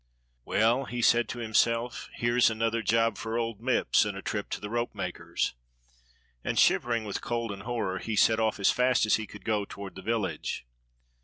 "Well," he said to himself, "here's another job for old Mipps and a trip to the ropemaker's," and shiver ing with cold and horror he set off as fast as he could go toward the village.